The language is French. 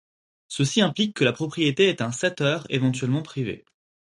Ceci implique que la propriété ait un 'setter', éventuellement privé.